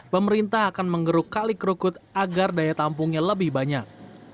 pemerintah akan mengeruk kalik krukut agar daya tampungnya lebih banyak